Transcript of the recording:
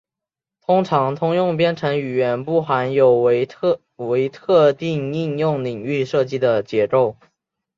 通常通用编程语言不含有为特定应用领域设计的结构。